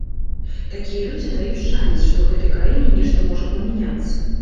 Такія людзі даюць шанец, што ў гэтай краіне нешта можа памяняцца.